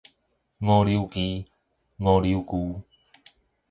五柳居